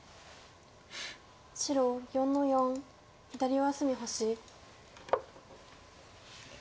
白４の四左上隅星。